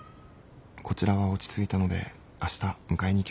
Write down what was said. こちらは落ち着いたので明日迎えに行きます。